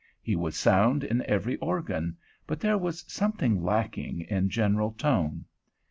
He was sound in every organ, but there was something lacking in general tone.